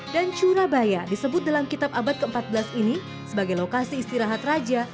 dan surabaya disebut dalam kitab abad ke empat belas ini sebagai lokasi istirahat raja